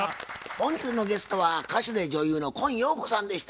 本日のゲストは歌手で女優の今陽子さんでした。